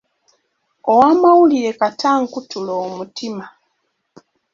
Ow'amawulire kata ankutule omutima.